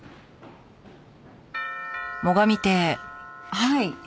はい。